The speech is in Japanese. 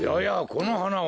このはなは。